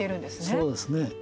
そうですね。